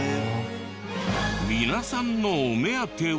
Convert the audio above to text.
皆さんのお目当ては。